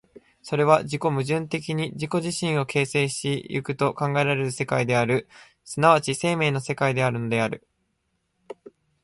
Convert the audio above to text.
それは自己矛盾的に自己自身を形成し行くと考えられる世界である、即ち生命の世界であるのである。